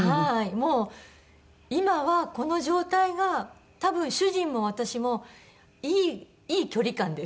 もう今はこの状態が多分主人も私もいいいい距離感です。